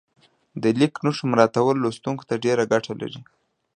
د لیک نښو مراعاتول لوستونکي ته ډېره ګټه لري.